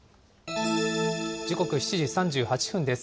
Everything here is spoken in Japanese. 時刻７時３８分です。